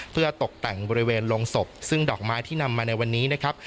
เพื่อตกแต่งบริเวณโรงศพซึ่งดอกไม้ที่นำมาในวันนี้นะครับ